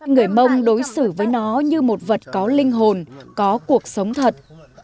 người mông đối xử với nó như một vật có linh hồn có cuộc sống thật